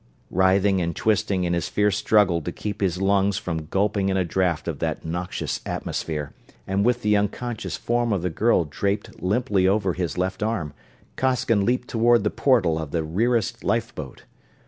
Writhing and twisting in his fierce struggle to keep his lungs from gulping in a draft of that noxious atmosphere, and with the unconscious form of the girl draped limply over his left arm, Costigan leaped toward the portal of the nearest lifeboat.